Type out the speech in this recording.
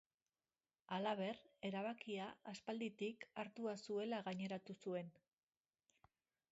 Halaber, erabakia aspalditik hartua zuela gaineratu zuen.